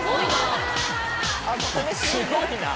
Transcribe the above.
すごいなぁ。